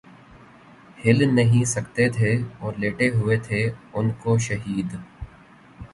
ہل نہیں سکتے تھے اور لیٹے ہوئے تھے انکو شہید